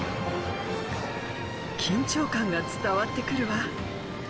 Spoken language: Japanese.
緊張感が伝わって来るわ。